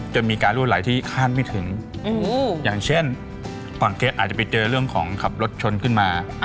จะมีการรั่วไหลที่คาดไม่ถึงอย่างเช่นฝั่งเกสอาจจะไปเจอเรื่องของขับรถชนขึ้นมา